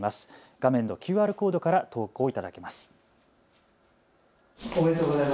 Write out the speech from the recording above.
画面のＱＲコードから投稿いただけます。